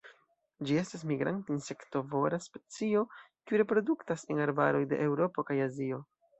Ĝi estas migranta insektovora specio kiu reproduktas en arbaroj de Eŭropo kaj Azio.